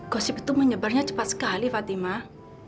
gosip itu menyebarnya cepat sekali fatimah